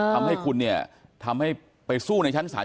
ทำให้คุณเนี่ยทำให้ไปสู้ในชั้นศาล